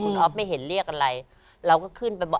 คุณอ๊อฟไม่เห็นเรียกอะไร